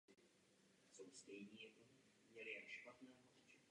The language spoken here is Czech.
Marie se narodila v Karlsruhe.